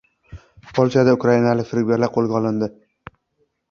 Polshada ukrainalik firibgarlar qo‘lga olindi